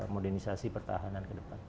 modernisasi pertahanan ke depan